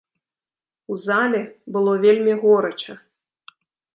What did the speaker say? У зале было вельмі горача.